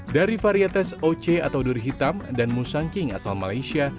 dari varietes oc atau duri hitam dan musangking asal malaysia